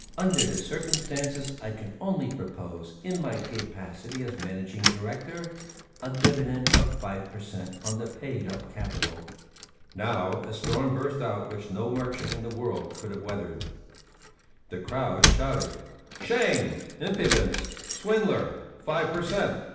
"Under the circumstances I can only propose, in my capacity as Managing Director, a dividend of 5 per cent. on the paid up capital." Now a storm burst out which no merchant in the world could have weathered. "Shame! Impudence! Swindler! Five per cent!